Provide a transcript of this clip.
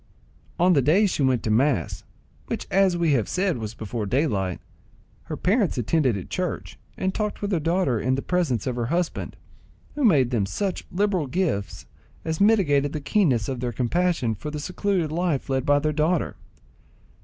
On the days she went to mass, which as we have said was before daylight, her parents attended at church and talked with their daughter in presence of her husband, who made them such liberal gifts as mitigated the keenness of their compassion for the secluded life led by their daughter.